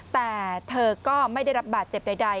แต่เธอก็ไม่ได้รับบาดเจ็บใด